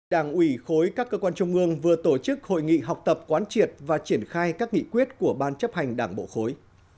đảng ủy khối các cơ quan trung ương vừa tổ chức hội nghị học tập quán triệt và triển khai các nghị quyết của ban chấp hành đảng bộ khối